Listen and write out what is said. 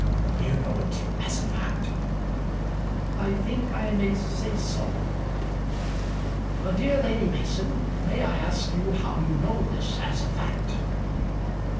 "You know it as a fact?" "I think I may say so." "But, dear Lady Mason, may I ask you how you know this as a fact?"